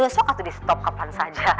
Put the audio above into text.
sokatu di stop kapan saja